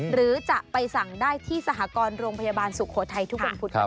หรือจะไปสั่งได้ที่สหกรณ์โรงพยาบาลสุโขทัยทุกวันพุธครับ